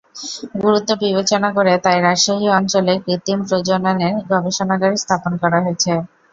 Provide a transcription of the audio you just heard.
গুরুত্ব বিবেচনা করে তাই রাজশাহী অঞ্চলেই কৃত্রিম প্রজননের গবেষণাগার স্থাপন করা হয়েছে।